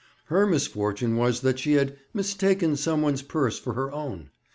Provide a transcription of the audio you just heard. Her misfortune was that she had mistaken someone's purse for her own.